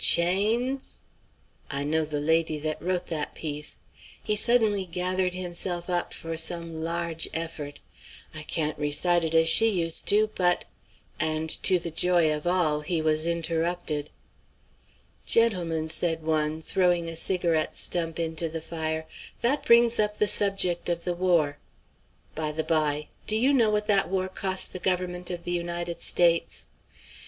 Chains?' I know the lady that wrote that piece." He suddenly gathered himself up for some large effort. "I can't recite it as she used to, but" And to the joy of all he was interrupted. "Gentlemen," said one, throwing a cigarette stump into the fire, "that brings up the subject of the war. By the by, do you know what that war cost the Government of the United States?"